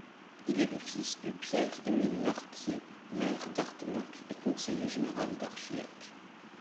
Il est le fils du Pierre-Émile Larquier, maire d'Arthenac et conseiller général d'Archiac.